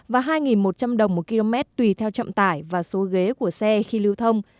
và hai một trăm linh đồng một km tùy theo trọng tải và số ghế của xe khi lưu thông